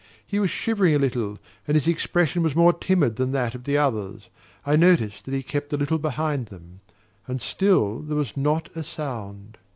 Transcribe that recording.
He was shivering a little, and his expression was more timid than that of the others. I noticed that he kept a little behind them. And still there was not a sound.